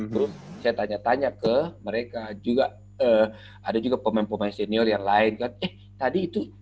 terus saya tanya tanya ke mereka juga ada juga pemain pemain senior yang lain kan eh tadi itu